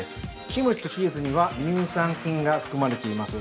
キムチとチーズには乳酸菌が含まれています。